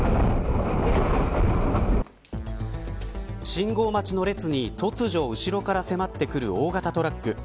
信号待ちの列に突如、後ろから迫ってくる大型トラック